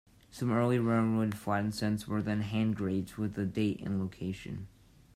Some early railroad flattened cents were then hand engraved with the date and location.